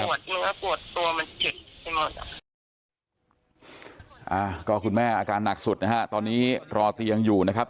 อ่าก็คุณแม่อาการหนักสุดนะฮะตอนนี้รอเตียงอยู่นะครับ